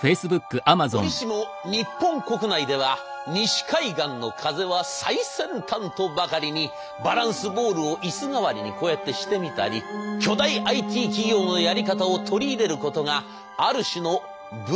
折しも日本国内では西海岸の風は最先端とばかりにバランスボールを椅子代わりにこうやってしてみたり巨大ＩＴ企業のやり方を取り入れることがある種のブームとなっておりました。